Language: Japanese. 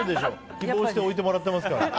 希望して置いてもらってますから。